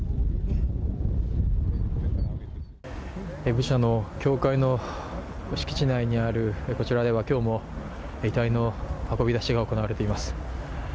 ブチャの教会の敷地内にあるこちらでは今日も遺体の運び出しが行われています。